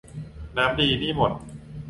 น้ำดี หนี้หมด